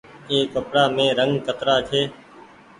ايِ ڪپڙآ مين رنگ ڪترآ ڇي۔